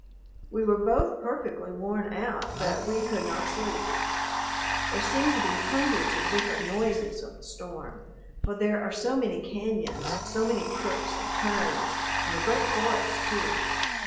We were both perfectly worn out, but we could not sleep. There seemed to be hundreds of different noises of the storm, for there are so many cañons, so many crooks and turns, and the great forest too.